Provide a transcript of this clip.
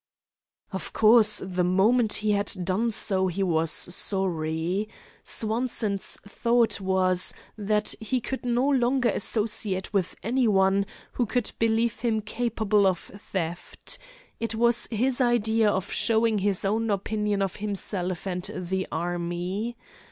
Of course, the moment he had done so he was sorry. Swanson's thought was that he could no longer associate with any one who could believe him capable of theft. It was his idea of showing his own opinion of himself and the army.